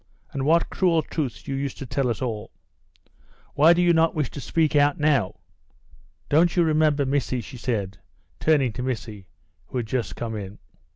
And what cruel truths you used to tell us all! Why do you not wish to speak out now? Don't you remember, Missy?" she said, turning to Missy, who had just come in.